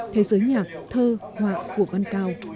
thế giới nhạc thơ hoạ của văn cao